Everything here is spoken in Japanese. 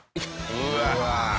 うわ！